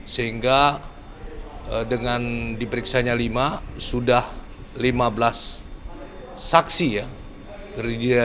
sehingga dengan diperiksanya lima sudah lima belas saksi ya